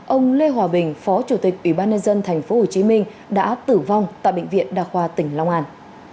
ông lê hòa bình phó chủ tịch ủy ban nhân dân tp hcm đã tử vong tại bệnh viện đa khoa tỉnh long an